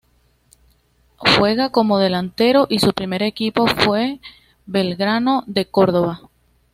Juega como delantero y su primer equipo fue Belgrano de Córdoba.